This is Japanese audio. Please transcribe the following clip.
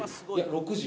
６時。